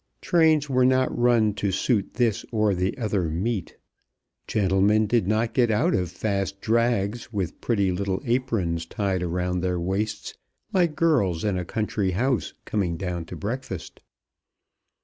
Trains were not run to suit this or the other meet. Gentlemen did not get out of fast drags with pretty little aprons tied around their waists, like girls in a country house coming down to breakfast.